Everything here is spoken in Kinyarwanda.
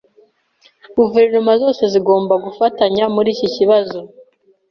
Guverinoma zose zigomba gufatanya muri iki kibazo.